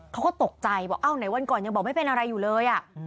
เขาก็ตกใจบอกเอ้าไหนวันก่อนยังบอกไม่เป็นอะไรอยู่เลย